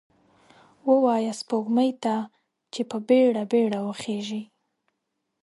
ووایه سپوږمۍ ته، چې په بیړه، بیړه وخیژئ